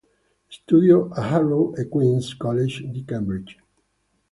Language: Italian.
Studiò a Harrow e Queens' College di Cambridge.